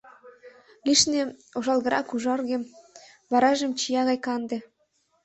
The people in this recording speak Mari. Лишне ошалгырак-ужарге, варажым чия гай канде.